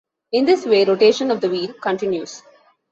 In this way rotation of the wheel continues.